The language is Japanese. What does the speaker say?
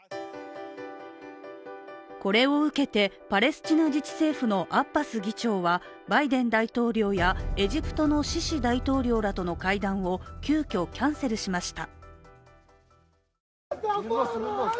これを受けてパレスチナ自治政府のアッバス議長はバイデン大統領やエジプトのシシ大統領らとの会談を急きょ、キャンセルしました。